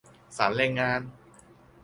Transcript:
ศาลแรงงาน ?